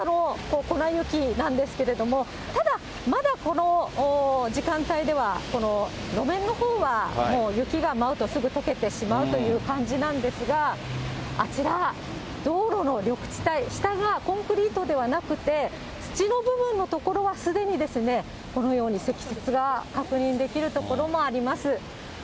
ぱさぱさの粉雪なんですけれども、ただ、まだこの時間帯では、路面のほうはもう雪が舞うとすぐとけてしまうという感じなんですが、あちら、道路の緑地帯、下がコンクリートではなくて、土の部分の所は、すでにこのように積雪が確認できる所もあります。